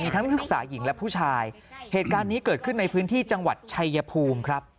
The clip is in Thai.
ทั้งนักศึกษาหญิงและผู้ชายเหตุการณ์นี้เกิดขึ้นในพื้นที่จังหวัดชัยภูมิครับ